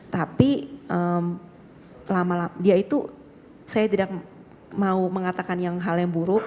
tapi lama lama dia itu saya tidak mau mengatakan hal yang buruk